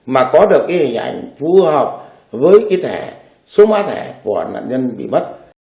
mà có được hình ảnh phù hợp với số mã thẻ của nạn nhân bị mất